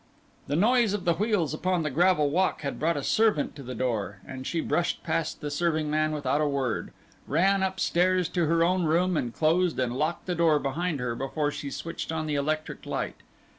The noise of the wheels upon the gravel walk had brought a servant to the door, and she brushed past the serving man without a word; ran upstairs to her own room and closed and locked the door behind her before she switched on the electric light.